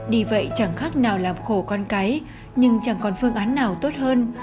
vì vậy chẳng khác nào làm khổ con cái nhưng chẳng còn phương án nào tốt hơn